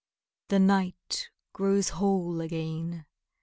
The night grows whole again....